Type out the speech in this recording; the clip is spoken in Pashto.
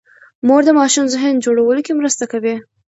مور د ماشوم ذهن جوړولو کې مرسته کوي.